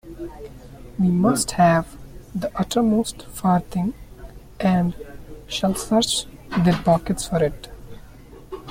We must have "the uttermost farthing", and "shall search their pockets for it".